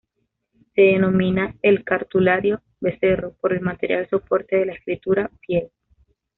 Se denomina al cartulario "becerro" por el material soporte de la escritura, piel.